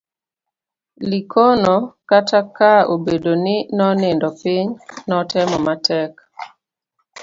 Likono kata ka obedo ni nonindo piny, notemo matek